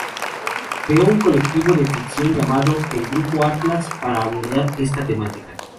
Creó un colectivo de ficción llamado "El Grupo Atlas" para abordar esta temática.